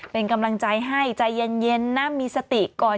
เป็นกำลังใจให้ใจเย็นนะมีสติก่อน